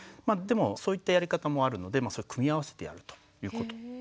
でもそういったやり方もあるので組み合わせてやるということ。